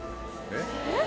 ・えっ？